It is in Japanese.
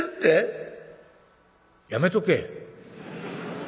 やめとけ。